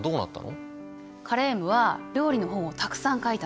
カレームは料理の本をたくさん書いたの。